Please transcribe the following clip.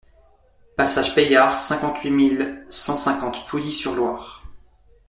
Passage Paillard, cinquante-huit mille cent cinquante Pouilly-sur-Loire